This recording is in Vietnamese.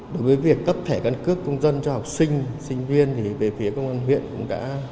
đối với việc cấp thẻ căn cước công dân cho học sinh sinh viên thì về phía công an huyện cũng đã